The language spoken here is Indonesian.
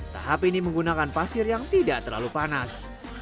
tahap ini menggunakan pasir yang tidak terlalu panas